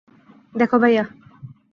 দেখো, ভায়া।